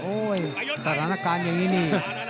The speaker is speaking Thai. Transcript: สถานการณ์อย่างนี้นี่